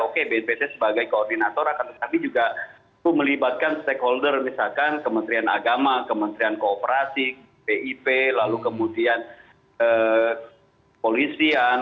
oke bnpt sebagai koordinator akan tetapi juga itu melibatkan stakeholder misalkan kementerian agama kementerian kooperasi pip lalu kemudian polisian